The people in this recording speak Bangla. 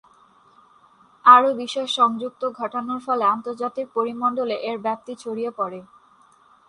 আরও বিষয় সংযুক্ত ঘটানোর ফলে আন্তর্জাতিক পরিমণ্ডলে এর ব্যাপ্তি ছড়িয়ে পড়ে।